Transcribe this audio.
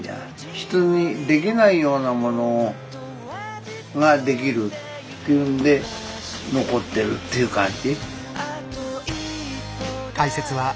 人にできないようなものができるっていうんで残ってるっていう感じ。